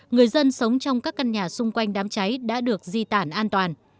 người dân sống trong các căn nhà xung quanh đám cháy đã được di tản an toàn